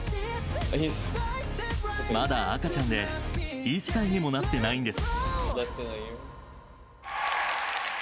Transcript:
まだ赤ちゃんで、１歳にもなってないんです。